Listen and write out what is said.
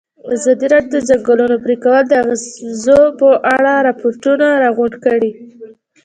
ازادي راډیو د د ځنګلونو پرېکول د اغېزو په اړه ریپوټونه راغونډ کړي.